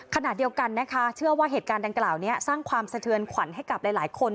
ขณะเดียวกันนะคะเชื่อว่าเหตุการณ์ดังกล่าวนี้สร้างความสะเทือนขวัญให้กับหลายคน